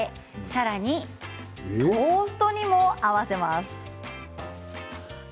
さらにトーストにも合わせます。